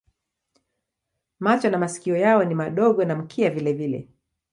Macho na masikio yao ni madogo na mkia vilevile.